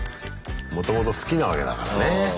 もともと好きなわけだからね。